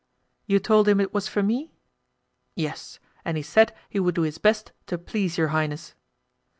"You told him it was for me?" "Yes, and he said he would do his best to please your highness."